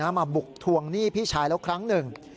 มาบุกทวงหนี้พี่ชายแล้วครั้งหนึ่ง